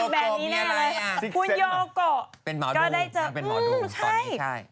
เป็นหมอดูน้ำเป็นหมอดูตอนนี้ใช่